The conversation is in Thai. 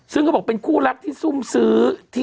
ซึ่งเขาบอกเป็นคู่รักที่ซุ่มซื้อ